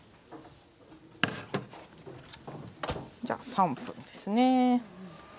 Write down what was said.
じゃ３分ですね。